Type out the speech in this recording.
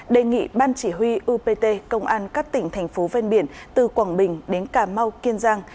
đề nghị ban chỉ huy upt công an các tỉnh thành phố ven biển từ quảng bình đến cà mau kiên giang